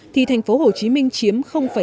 thì thành phố hồ chí minh chiếm hai mươi một